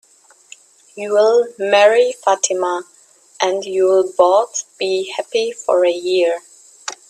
You'll marry Fatima, and you'll both be happy for a year.